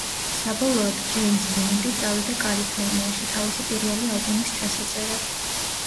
საბოლოოდ ჯეიმზ ბლანტი წავიდა კალიფორნიაში, თავისი პირველი ალბომის ჩასაწერად.